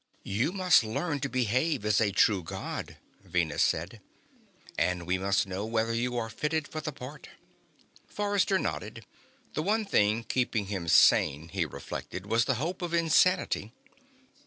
"You must learn to behave as a true God," Venus said. "And we must know whether you are fitted for the part." Forrester nodded. The one thing keeping him sane, he reflected, was the hope of insanity.